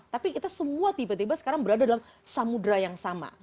tapi kita semua tiba tiba sekarang berada dalam samudera yang sama